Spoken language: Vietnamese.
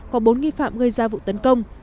có bốn nghi phạm gây ra vụ tấn công